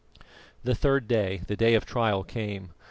The third day the day of trial came.